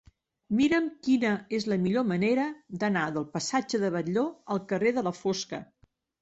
Mira'm quina és la millor manera d'anar del passatge de Batlló al carrer de la Fosca.